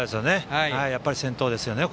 やっぱり先頭ですよね